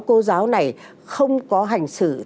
cô giáo này không có hành xử